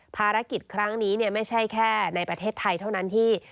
ภารกิจครั้งนี้ไม่ใช่แค่ในประเทศไทยเท่านั้นที่